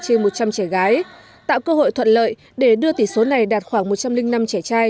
trên một trăm linh trẻ gái tạo cơ hội thuận lợi để đưa tỷ số này đạt khoảng một trăm linh năm trẻ trai